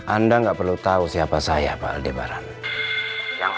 anda nggak perlu tahu siapa saya pak aldebaran yang